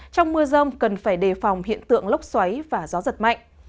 trong mưa rông cần phải đề phòng hiện tượng lốc xoáy và gió giật mạnh